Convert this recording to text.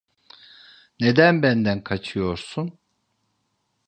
Neden benden kaçıyorsun?